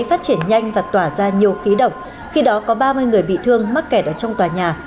phát triển nhanh và tỏa ra nhiều khí độc khi đó có ba mươi người bị thương mắc kẹt ở trong tòa nhà